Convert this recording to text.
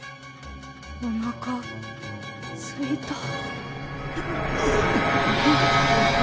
おなかすいた。